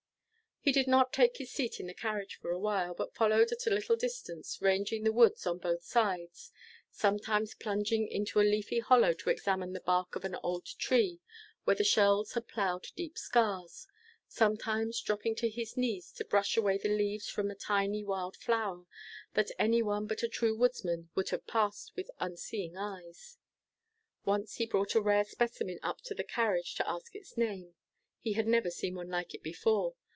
He did not take his seat in the carriage for a while, but followed at a little distance, ranging the woods on both sides; sometimes plunging into a leafy hollow to examine the bark of an old tree where the shells had plowed deep scars; sometimes dropping on his knees to brush away the leaves from a tiny wild flower, that any one but a true woodsman would have passed with unseeing eyes. Once he brought a rare specimen up to the carriage to ask its name. He had never seen one like it before.